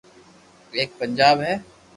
ايڪ پنجاب ھي